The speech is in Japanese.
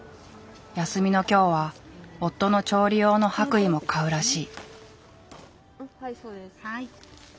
休みの今日は夫の調理用の白衣も買うらしい。